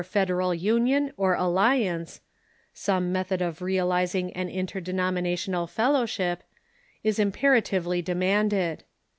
' federal union, or alliance — some method of real izing an interdenominational fellowship — is imperatively de manded.